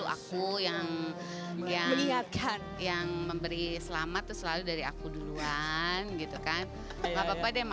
aku ya nyatakan yang memberi selamat selalu dari aku duluan gitu itu semangat terakhir agua selama